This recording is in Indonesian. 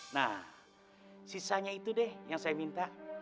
nah sisanya itu deh yang saya minta